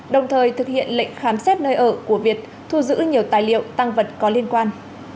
đồng thời thực hiện lệnh khám xét nơi ở của việt thu giữ nhiều tài liệu tăng vật có liên quan